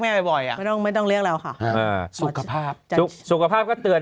แม่บ่อยไม่ต้องไม่ต้องเรียกแล้วค่ะสุขภาพสุขภาพก็เตือน